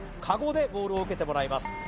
カゴでボールを受けてもらいます